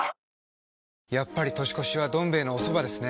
やっぱり年越しは「どん兵衛」のおそばですね。